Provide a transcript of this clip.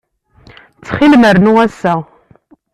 Ttxil-m, rnu ass-a.